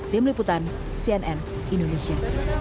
demi liputan cnn indonesia